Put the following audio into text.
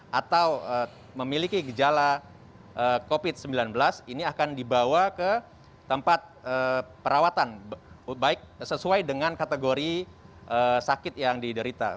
atau memiliki gejala covid sembilan belas ini akan dibawa ke tempat perawatan baik sesuai dengan kategori sakit yang diderita